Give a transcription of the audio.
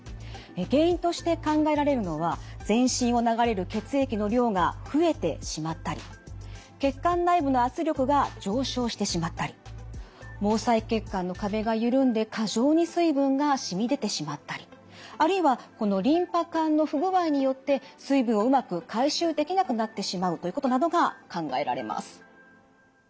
原因として考えられるのは全身を流れる血液の量が増えてしまったり血管内部の圧力が上昇してしまったり毛細血管の壁が緩んで過剰に水分がしみ出てしまったりあるいはこのリンパ管の不具合によって水分をうまく回収できなくなってしまうということなどが考えられます。